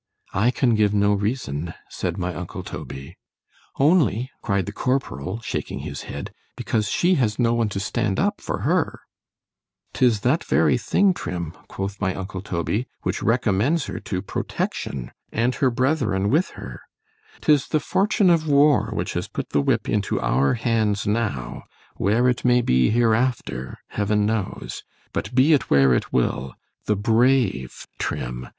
I can give no reason, said my uncle Toby—— ——Only, cried the corporal, shaking his head, because she has no one to stand up for her—— ——'Tis that very thing, Trim, quoth my uncle Toby,——which recommends her to protection——and her brethren with her; 'tis the fortune of war which has put the whip into our hands now——where it may be hereafter, heaven knows!——but be it where it will, the brave, _Trim!